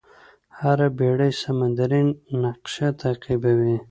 هره بېړۍ سمندري نقشه تعقیبوي.